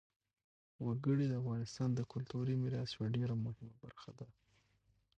وګړي د افغانستان د کلتوري میراث یوه ډېره مهمه برخه ده.